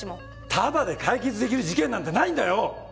タダで解決できる事件なんてないんだよ！